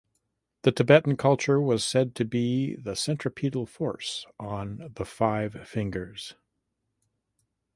The Tibetan culture was said to be the "centripetal force" on the "five fingers".